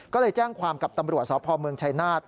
ก็เลยแจ้งความกับตำรวจสพเมืองชายนาฏ